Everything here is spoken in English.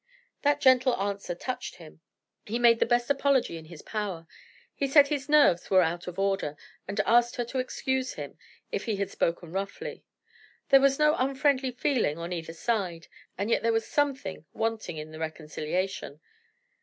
That gentle answer touched him. He made the best apology in his power: he said his nerves were out of order, and asked her to excuse him if he had spoken roughly. There was no unfriendly feeling on either side; and yet there was something wanting in the reconciliation.